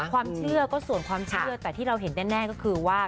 ความเชื่อก็ส่วนความเชื่อแต่ที่เราเห็นแน่ก็คือว่า